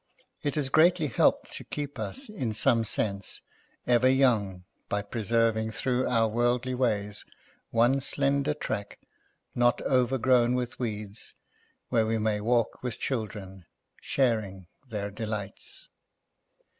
It has greatly helped to keep us, in some sense, ever young, by pre serving through our worldly ways one slender track not overgrown with weeds, where we may walk with children, sharing their de lights.